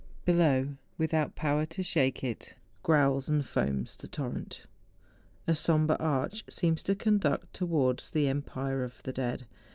Below, without power to shake it, growls and foams the torrent. A sombre arch seems to conduct towards the empire of the dead.